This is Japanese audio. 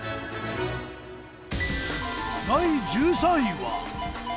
第１３位は。